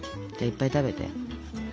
いっぱい食べよ。